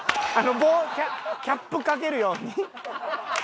あの棒キャップ掛けるように。